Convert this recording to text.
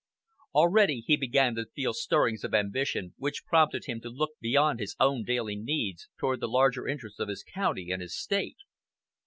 Already he began to feel stirrings of ambition which prompted him to look beyond his own daily needs toward the larger interests of his county and his State.